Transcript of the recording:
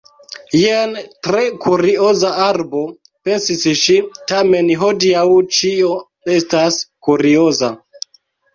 "Jen tre kurioza arbo," pensis ŝi. "Tamen hodiaŭ ĉio estas kurioza.